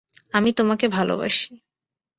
আমি তোমাকে ভালবাসি!